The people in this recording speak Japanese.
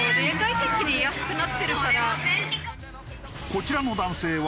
こちらの男性は